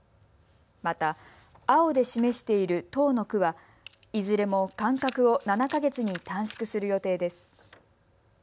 また青で示している１０の区はいずれも間隔を７か月に短縮する予定です。